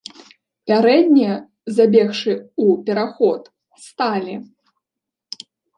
Пярэднія, забегшы ў пераход, сталі.